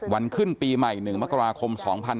ขึ้นปีใหม่๑มกราคม๒๕๖๒